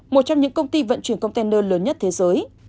một trong những công ty vận chuyển container lớn nhất thế giới